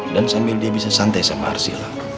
dan sambil dia bisa santai sama arsila